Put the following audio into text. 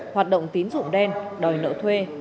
hoạt động tín dụng đen đòi nợ thuê